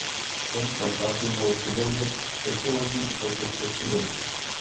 Členské státy mohou při volbě technologií uplatnit flexibilitu.